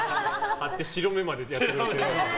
貼って、白目までやってくれて。